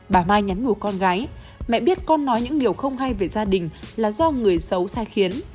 bà mai nhắn nhủ con gái mẹ biết con nói những điều không hay về gia đình là do người xấu sai khiến